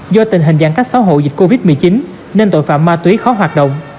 do tình hình giãn cách xã hội dịch covid một mươi chín nên tội phạm ma túy khó hoạt động